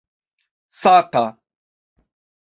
sata